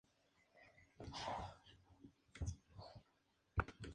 Puede crear ciclones corriendo en círculo, correr por las paredes y sobre el agua.